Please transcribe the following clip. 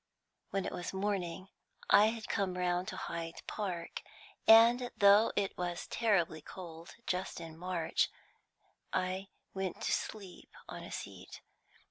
When it was morning, I had come round to Hyde Park, and, though it was terribly cold just in March I went to sleep on a seat.